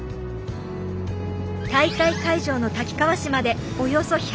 大会会場の滝川市までおよそ１００ｋｍ。